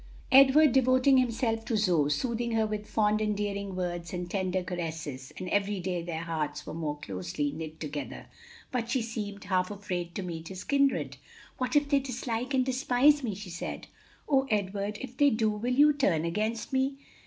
Edward devoting himself to Zoe, soothing her with fond endearing words and tender caresses, and every day their hearts were more closely knit together. But she seemed half afraid to meet his kindred. "What if they dislike and despise me!" she said. "O Edward, if they do, will you turn against me?"